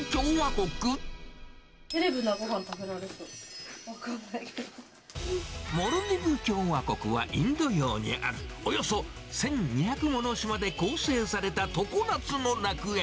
セレブなごはん食べられそう、モルディブ共和国はインド洋にある、およそ１２００もの島で構成された常夏の楽園。